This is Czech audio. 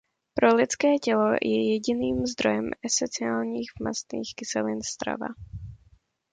Pro lidské tělo je jediným zdrojem esenciálních mastných kyselin strava.